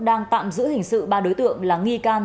đang tạm giữ hình sự ba đối tượng là nghi can